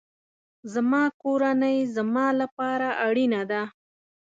زما کورنۍ زما لپاره اړینه ده